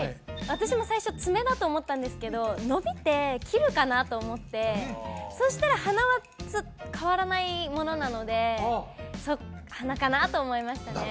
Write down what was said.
私も最初つめだと思ったんですけど伸びて切るかなと思ってそしたら鼻は変わらないものなので鼻かなと思いましたね